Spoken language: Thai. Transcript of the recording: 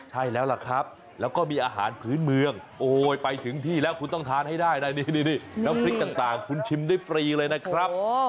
ใช่แล้วล่ะครับแล้วก็มีอาหารพื้นเมืองโอ้ยไปถึงที่แล้วคุณต้องทานให้ได้นะนี่น้ำพริกต่างคุณชิมได้ฟรีเลยนะครับ